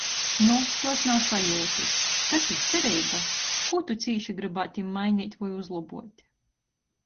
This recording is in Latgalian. Nu, tuos nav sajiutys. Kas ir cereiba? Kū tu cīši grybātu maineit voi uzlobuot?